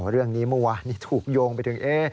เรื่องนี้มัวถูกโยงไปถึง